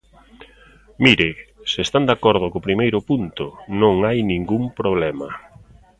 Mire, se están de acordo co primeiro punto, non hai ningún problema.